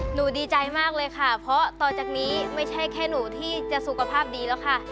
ดีใจมากเลยค่ะเพราะต่อจากนี้ไม่ใช่แค่หนูที่จะสุขภาพดีแล้วค่ะ